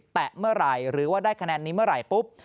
แตะเมื่อไหร่หรือว่าได้คะแนนนี้เมื่อไหร่ปุ๊บ